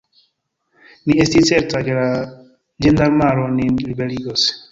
Mi estis certa, ke la ĝendarmaro nin liberigos.